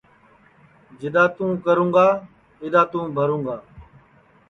جِدؔا تُوں کرُوں گا اِدؔا تُوں بھرُوں گا